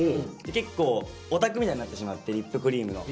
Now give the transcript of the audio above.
結構オタクみたいになってしまってリップクリームの。